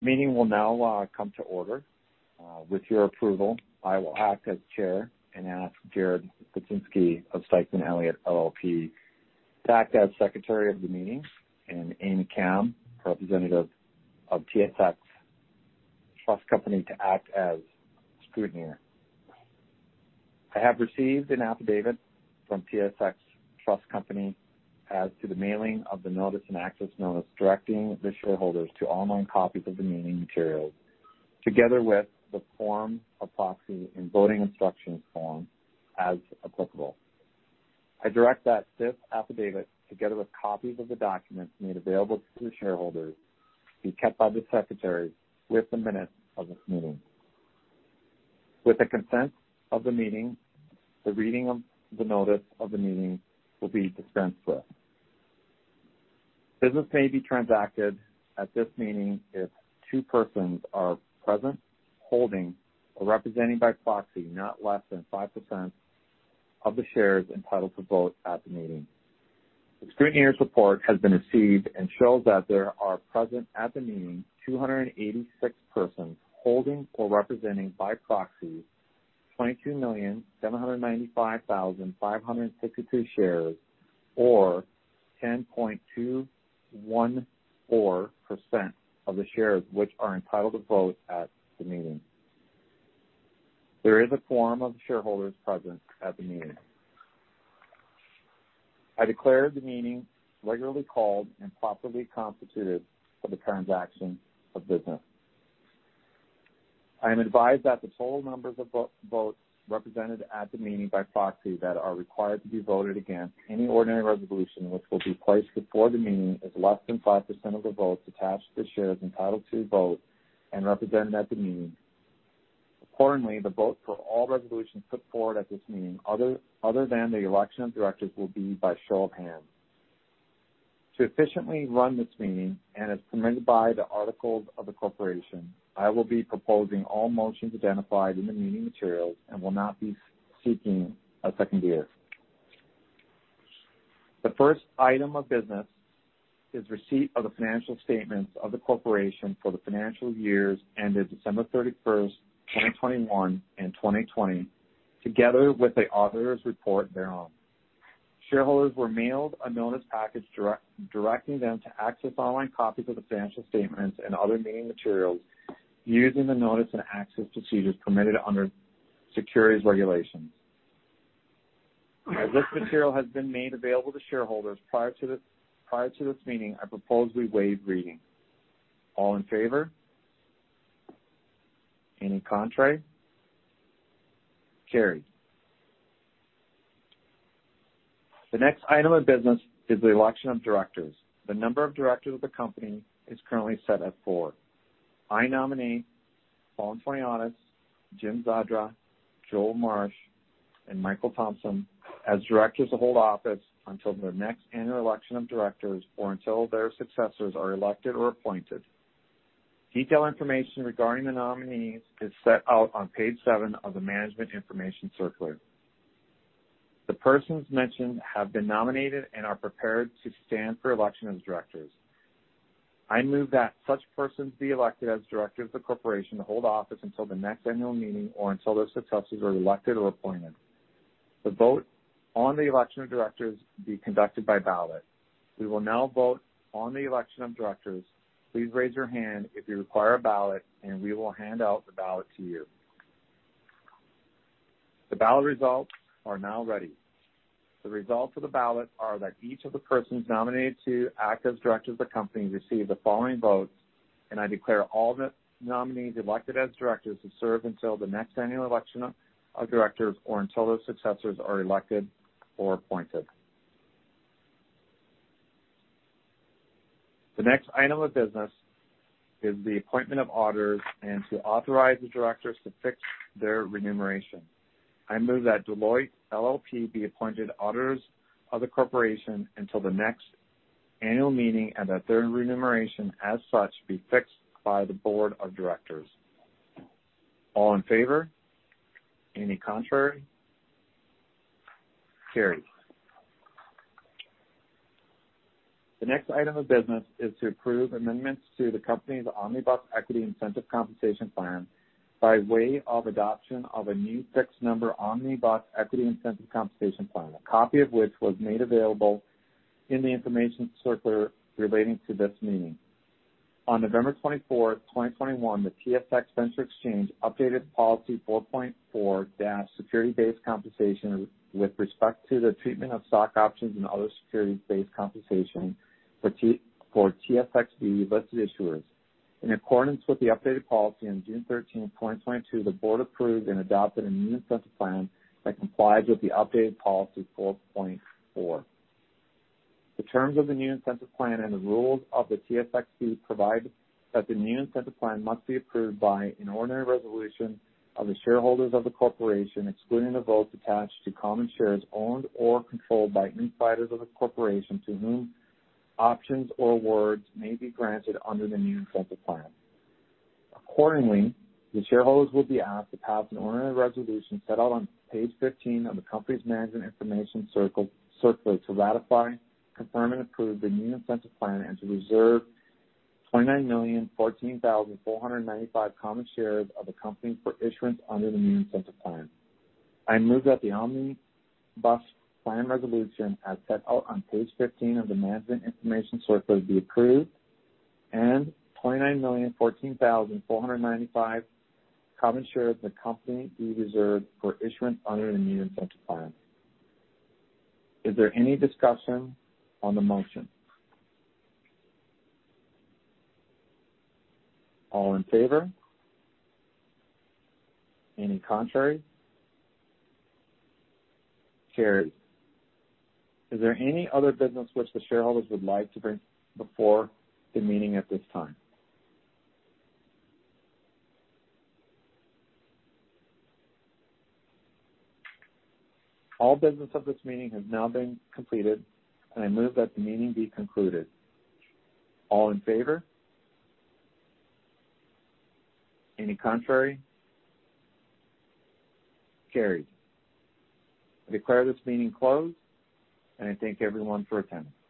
Meeting will now come to order. With your approval, I will act as chair and ask Jared Kichler of Stikeman Elliott LLP to act as secretary of the meeting and Amy Kam, representative of TSX Trust Company to act as scrutineer. I have received an affidavit from TSX Trust Company as to the mailing of the notice and access notice, directing the shareholders to online copies of the meeting materials, together with the form of proxy and voting instructions form as applicable. I direct that this affidavit, together with copies of the documents made available to the shareholders, be kept by the secretary with the minutes of this meeting. With the consent of the meeting, the reading of the notice of the meeting will be dispensed with. Business may be transacted at this meeting if two persons are present, holding or representing by proxy not less than 5% of the shares entitled to vote at the meeting. The scrutineer's report has been received and shows that there are present at the meeting 286 persons holding or representing by proxy 22,795,562 shares, or 10.214% of the shares which are entitled to vote at the meeting. There is a quorum of shareholders present at the meeting. I declare the meeting regularly called and properly constituted for the transaction of business. I am advised that the total numbers of votes represented at the meeting by proxy that are required to be voted against any ordinary resolution which will be placed before the meeting is less than 5% of the votes attached to the shares entitled to vote and represented at the meeting. Accordingly, the vote for all resolutions put forward at this meeting, other than the election of directors, will be by show of hands. To efficiently run this meeting, and as permitted by the articles of the corporation, I will be proposing all motions identified in the meeting materials and will not be seeking a seconder. The first item of business is receipt of the financial statements of the corporation for the financial years ended December 31st, 2021 and 2020, together with the auditor's report thereon. Shareholders were mailed a notice package directing them to access online copies of the financial statements and other meeting materials using the notice and access procedures permitted under securities regulations. As this material has been made available to shareholders prior to this meeting, I propose we waive reading. All in favor? Any contrary? Carried. The next item of business is the election of directors. The number of directors of the company is currently set at four. I nominate Paul Antoniadis, Jim Zadra, Joel Marsh, and Michael Thomson as directors to hold office until their next annual election of directors or until their successors are elected or appointed. Detailed information regarding the nominees is set out on page seven of the Management Information Circular. The persons mentioned have been nominated and are prepared to stand for election as directors. I move that such persons be elected as directors of the corporation to hold office until the next annual meeting or until their successors are elected or appointed. The vote on the election of directors be conducted by ballot. We will now vote on the election of directors. Please raise your hand if you require a ballot and we will hand out the ballot to you. The ballot results are now ready. The results of the ballot are that each of the persons nominated to act as directors of the company received the following votes, and I declare all the nominees elected as directors to serve until the next annual election of directors, or until those successors are elected or appointed. The next item of business is the appointment of auditors and to authorize the directors to fix their remuneration. I move that Deloitte LLP be appointed auditors of the corporation until the next annual meeting and that their remuneration as such be fixed by the Board of Directors. All in favor? Any contrary? Carried. The next item of business is to approve amendments to the company's Omnibus Equity Incentive Compensation Plan by way of adoption of a new fixed number Omnibus Equity Incentive Compensation Plan, a copy of which was made available in the information circular relating to this meeting. On November 24, 2021, the TSX Venture Exchange updated Policy 4.4 - Security Based Compensation with respect to the treatment of stock options and other security-based compensation for TSXV-listed issuers. In accordance with the updated policy, on June 13, 2022, the board approved and adopted a new incentive plan that complies with the updated Policy 4.4. The terms of the new incentive plan and the rules of the TSXV provide that the new incentive plan must be approved by an ordinary resolution of the shareholders of the corporation, excluding the votes attached to common shares owned or controlled by insiders of the corporation to whom options or awards may be granted under the new incentive plan. Accordingly, the shareholders will be asked to pass an ordinary resolution set out on page 15 of the company's Management Information Circular to ratify, confirm, and approve the new incentive plan and to reserve 29,014,495 common shares of the company for issuance under the new incentive plan. I move that the Omnibus Plan resolution, as set out on page 15 of the Management Information Circular, be approved and 29,014,495 common shares of the company be reserved for issuance under the new incentive plan. Is there any discussion on the motion? All in favor? Any contrary? Carried. Is there any other business which the shareholders would like to bring before the meeting at this time? All business of this meeting has now been completed, and I move that the meeting be concluded. All in favor? Any contrary? Carried. I declare this meeting closed, and I thank everyone for attending.